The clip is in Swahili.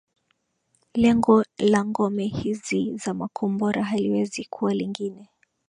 Lengo la ngome hizi za makombora haliwezi kuwa lingine